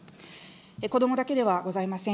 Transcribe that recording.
子どもだけではございません。